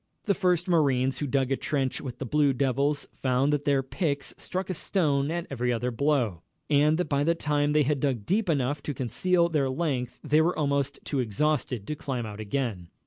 The first marines who dug a trench with the Blue Devils found that their picks struck a stone at every other blow, and that by the time they had dug deep enough to conceal their length they were almost too exhausted to climb out again.